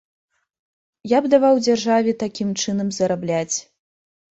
Я б даваў дзяржаве такім чынам зарабляць.